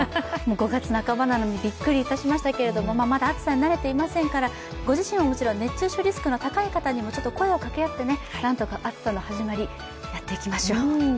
５月半ばなのにびっくりいたしましたけども、まだ暑さに慣れていませんから、ご自身ももちろん、熱中症リスクの高い方にもちょっと声をかけ合って、なんとか暑さの始まり、やっていきましょう。